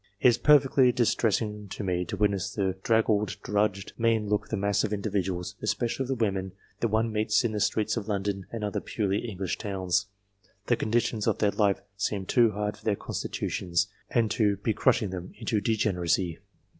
It is perfectly distressing to me to witness the draggled, drudged, mean look of the mass of individuals, especially of the women, that OF DIFFERENT RACES 329 one meets in the streets of London and other purely English towns. The conditions of their life seem too hard for their constitutions, and to be crushing them into degeneracy.